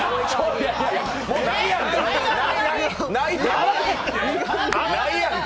もう、ないやんか！